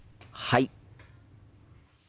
はい。